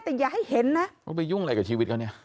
แต่อย่าให้เห็นนะว่าไปยุ่งอะไรกับชีวิตเขาเนี่ย